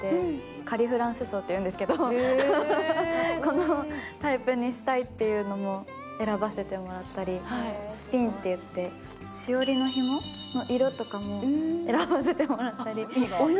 仮フランス装というんですけど、このタイプにしたいと選ばせてもらったりスピンといってしおりのひもの色とかも選ばせてもらったり。